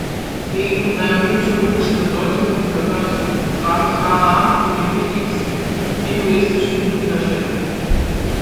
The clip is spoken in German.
Wegen seiner mythologischen Bedeutung gehört Rameswaram zu den wichtigsten hinduistischen Pilgerstätten.